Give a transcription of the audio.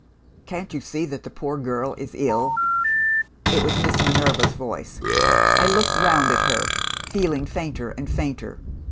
"'Can't you see that the poor girl is ill?' "It was Miss Minerva's voice. I looked round at her, feeling fainter and fainter.